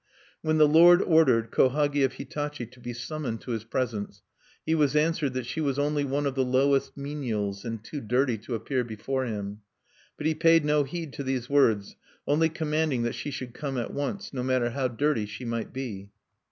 When the lord ordered Kohagi of Hitachi to be summoned to his presence, he was answered that she was only one of the lowest menials, and too dirty to appear before him. But he paid no heed to these words, only commanding that she should come at once, no matter how dirty she might be.